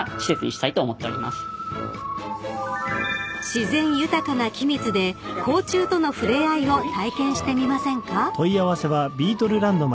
［自然豊かな君津で甲虫との触れ合いを体験してみませんか？］